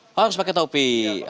oh harus pakai topi kak